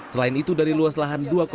selain itu dari luas lahan